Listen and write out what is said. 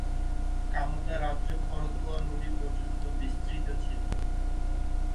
কামতা রাজ্য করতোয়া নদী পর্যন্ত বিস্তৃত ছিল।